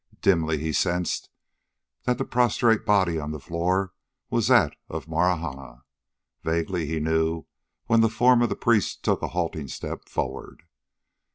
Dimly he sensed that the prostrate body on the floor was that of Marahna. Vaguely he knew when the form of the priest took a halting step forward.